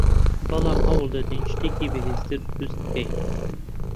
بەڵام هەوڵدەدەین شتێکی بەهێزتر دروست بکەین